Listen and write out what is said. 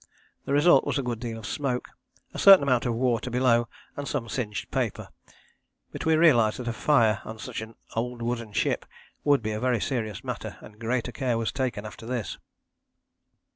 The result was a good deal of smoke, a certain amount of water below, and some singed paper, but we realized that a fire on such an old wooden ship would be a very serious matter, and greater care was taken after this.